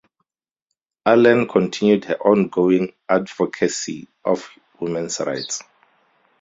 Allen continued her ongoing advocacy of women's rights.